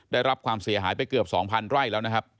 ได้รับความเสียหายไปเกือบ๒๐๐ไร่แล้วนะครับ